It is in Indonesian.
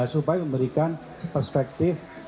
supaya memberikan perspektif